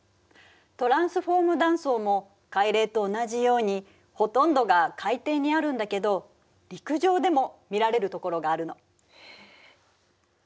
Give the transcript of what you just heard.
トランスフォーム断層も海嶺と同じようにほとんどが海底にあるんだけど陸上でも見られる所があるの。